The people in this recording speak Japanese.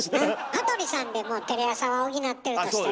羽鳥さんでもうテレ朝は補ってるとしてね。